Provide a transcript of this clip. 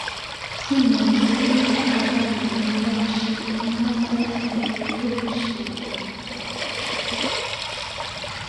Simoit ko kito akenge ne kiboisie eng mong'aree eng betushe chu.